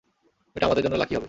এটা আমাদের জন্য লাকি হবে।